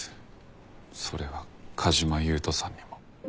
それは梶間優人さんにも。